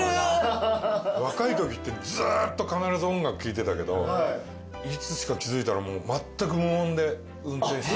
若いときってずっと必ず音楽聴いてたけどいつしか気付いたら。